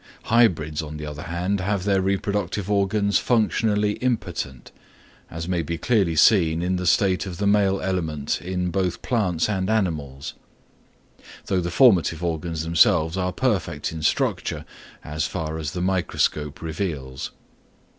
Hybrids, on the other hand, have their reproductive organs functionally impotent, as may be clearly seen in the state of the male element in both plants and animals; though the formative organs themselves are perfect in structure, as far as the microscope reveals.